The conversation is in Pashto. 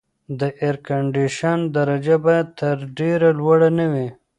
د اېرکنډیشن درجه باید تر دې لوړه نه وي.